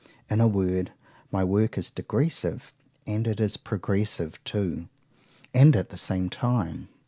In a word, my work is digressive, and it is progressive too,—and at the same time.